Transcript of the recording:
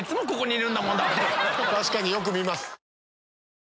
確かによく見ます。